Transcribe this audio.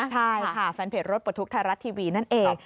ใช่ค่ะแฟนเพจรถปลดทุกข์ไทยรัฐทีวีนั่นเอง